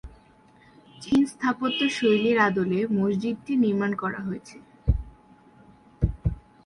চীনা স্থাপত্য শৈলীর আদলে মসজিদটি নির্মাণ করা হয়েছে।